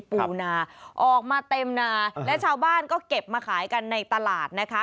ปูนาออกมาเต็มนาและชาวบ้านก็เก็บมาขายกันในตลาดนะคะ